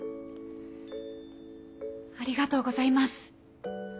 ありがとうございます。